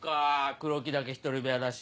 黒木だけ１人部屋だし。